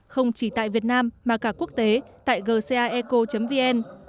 không chỉ tại việt nam mà cả quốc tế tại gcaeco vn